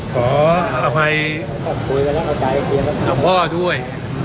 ขออภัยอังว่าด้วย